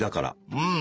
うん。